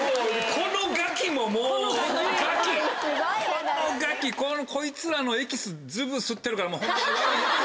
このガキこいつらのエキス随分吸ってるからホンマに。